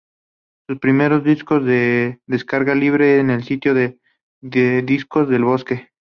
Sus primeros discos son de descarga libre en el sitio de Discos del Bosque.